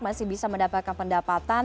masih bisa mendapatkan pendapatan